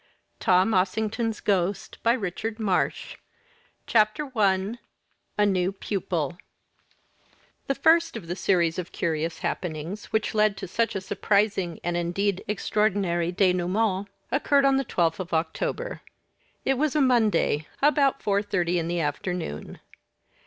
TOM OSSINGTON'S GHOST CHAPTER I A NEW PUPIL The first of the series of curious happenings, which led to such a surprising and, indeed, extraordinary denouement, occurred on the twelfth of October. It was a Monday; about four thirty in the afternoon.